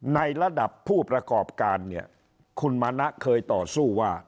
ในระดับผู้ประกอบการเนี่ยคุณมานะเคยต่อสู้ว่า